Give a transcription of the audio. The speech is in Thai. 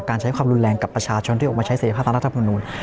การใช้ความรุนแรงกับประชาชนที่ออกมาใช้เสร็จภาพธนักธรรมนุน